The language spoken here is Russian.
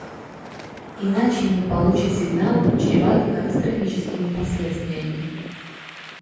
Иначе мир получит сигнал, чреватый катастрофическими последствиями.